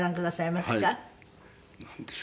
なんでしょう？